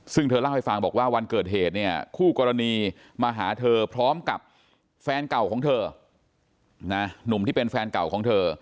ซึ่งเธอเล่าให้ฟังบอกว่าวันเกิดเหตุเนี่ยคู่กรณีมาหาเธอพร้อมกับแฟนเก่าของเธอนะหนุ่มที่เป็นแฟนเก่าของเธอ